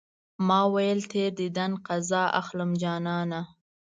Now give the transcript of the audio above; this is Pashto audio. ما ويل تېر ديدن قضا اخلم جانانه